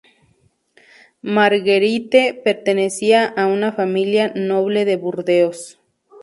Marguerite pertenecía a una familia noble de Burdeos.